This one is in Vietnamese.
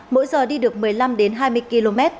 mỗi giờ đi được một mươi năm đến hai mươi km